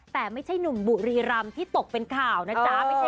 แต่ไม่ใช่หนุ่มบุรีรำที่ตกเป็นข่าวนะจ๊ะ